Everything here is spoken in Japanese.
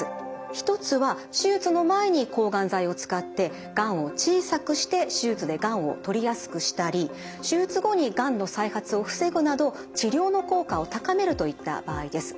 一つは手術の前に抗がん剤を使ってがんを小さくして手術でがんをとりやすくしたり手術後にがんの再発を防ぐなど治療の効果を高めるといった場合です。